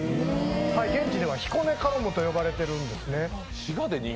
現地では彦根カロムと呼ばれてるんですね。